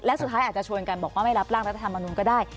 และสุดท้ายอาจจะชวนกันบอกว่าไม่รับร่างรัฐธรรมนุนก็ได้